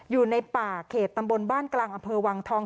อยู่ในป่าเขตตำบลบ้านกลางอำเภอวังทอง